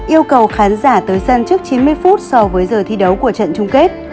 yêu cầu khán giả tới sân trước chín mươi phút so với giờ thi đấu của trận chung kết